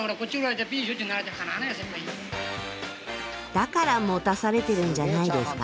だから持たされてるんじゃないですか？